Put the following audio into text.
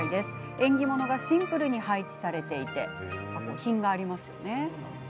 縁起物がシンプルに配置されていて品がありますよね。